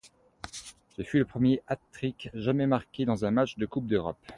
Ce fut le premier hat-trick jamais marqué dans un match de Coupe d'Europe.